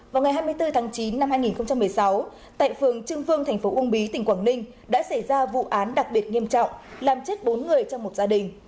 vào ngày hai mươi bốn tháng chín năm hai nghìn một mươi sáu tại phường trưng vương thành phố uông bí tỉnh quảng ninh đã xảy ra vụ án đặc biệt nghiêm trọng làm chết bốn người trong một gia đình